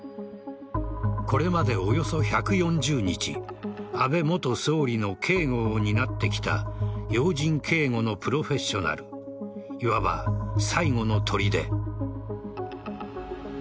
これまで、およそ１４０日安倍元総理の警護を担ってきた要人警護のプロフェッショナルいわば最後の砦。